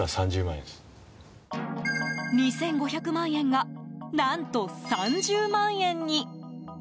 ２５００万円が何と３０万円に。